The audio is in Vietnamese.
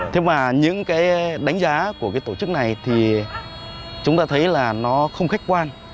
thế mà những cái đánh giá của cái tổ chức này thì chúng ta thấy là nó không khách quan